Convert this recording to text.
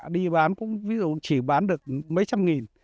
đi bán cũng ví dụ chỉ bán được mấy trăm nghìn